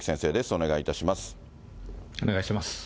お願いします。